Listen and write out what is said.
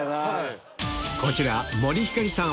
こちら森星さん